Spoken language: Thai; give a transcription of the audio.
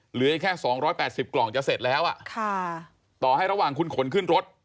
เหลืออีกแค่๒๘๐กล่องจะเสร็จแล้วต่อให้ระหว่างคุณขนขึ้นรถ